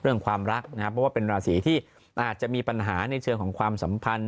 ความรักนะครับเพราะว่าเป็นราศีที่อาจจะมีปัญหาในเชิงของความสัมพันธ์